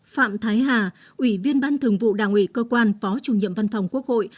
phạm thái hà ủy viên ban thường vụ đảng ủy cơ quan phó chủ nhiệm văn phòng quốc hội